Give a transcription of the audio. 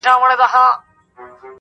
په زګېروي مي له زلمیو شپو بېلېږم!